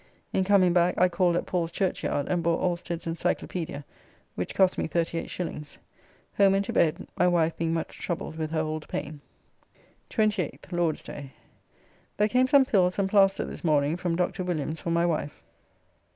In coming back I called at Paul's Churchyard and bought Alsted's Encyclopaedia,' which cost me 38s. Home and to bed, my wife being much troubled with her old pain. 28th (Lord's day). There came some pills and plaister this morning from Dr. Williams for my wife.